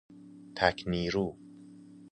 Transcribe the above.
تک نیرو